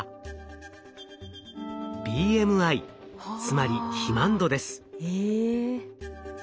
ＢＭＩつまり肥満度です。え。